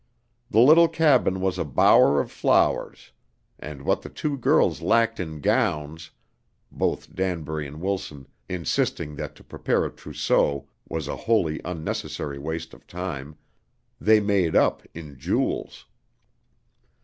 The little cabin was a bower of flowers and what the two girls lacked in gowns (both Danbury and Wilson insisting that to prepare a trousseau was a wholly unnecessary waste of time) they made up in jewels.